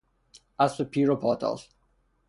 اسب پیر و پاتال